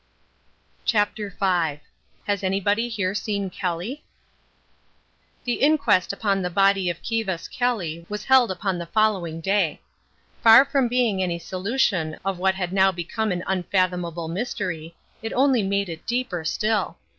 CHAPTER V HAS ANYBODY HERE SEEN KELLY? The inquest upon the body of Kivas Kelly was held upon the following day. Far from offering any solution of what had now become an unfathomable mystery, it only made it deeper still.